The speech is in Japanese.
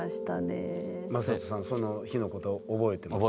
昌人さんその日のこと覚えてますか？